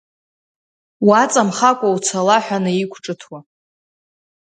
Уаҵамхакәа уцала ҳәа наиқәҿыҭуа.